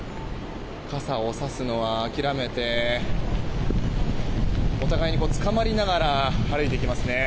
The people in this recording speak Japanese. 傘をさすのは諦めてお互いにつかまりながら歩いていきますね。